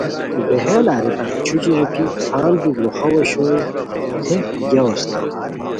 بہیل ارتام چھو چی روپھی پھان دی درُوخاؤ اوشوئے تھے تو گیاؤ استاؤ